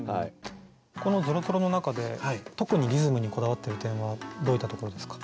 この「ぞろぞろ」の中で特にリズムにこだわってる点はどういったところですか？